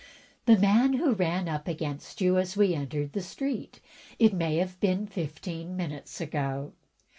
"The man who ran up against you as we entered the street — ^it may have been fifteen minutes ago."